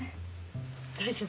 大丈夫？